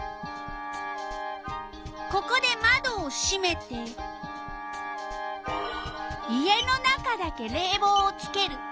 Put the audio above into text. ここでまどをしめて家の中だけれいぼうをつける。